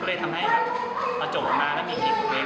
ก็เลยทำให้ครับเอาโจทย์ออกมาแล้วมีคลิปของเอง